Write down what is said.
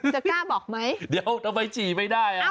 กล้าบอกไหมเดี๋ยวทำไมฉี่ไม่ได้อ่ะ